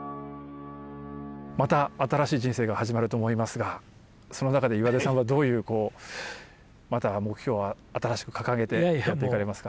また新しい人生が始まると思いますがその中で岩出さんはどういう目標を新しく掲げてやっていかれますか？